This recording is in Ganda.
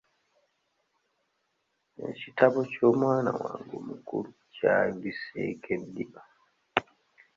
Ekitabo ky'omwana wange omukulu kyayuliseeko eddiba.